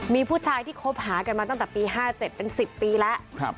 มีผู้ชายที่คบหากันมาตั้งแต่ปี๕๗เป็น๑๐ปีแล้ว